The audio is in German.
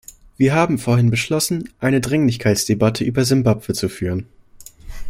Wir haben vorhin beschlossen, eine Dringlichkeitsdebatte über Simbabwe zu führen.